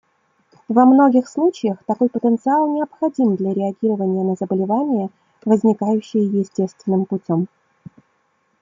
Во многих случаях такой потенциал необходим для реагирования на заболевания, возникающие естественным путем.